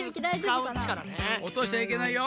おとしちゃいけないよ。